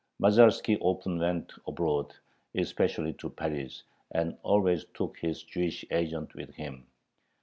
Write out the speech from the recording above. Masalski often went abroad, especially to Paris, and always took his Jewish agent with him.